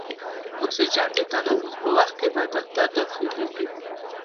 اکسیجن د تنفس په وخت کې بدن ته داخلیږي.